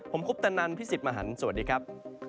ผมคุปตะนันพี่สิทธิ์มหันฯสวัสดีครับ